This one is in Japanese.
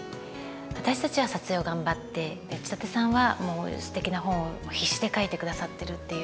私たちは撮影を頑張って内館さんはすてきな本を必死で書いてくださってるっていう。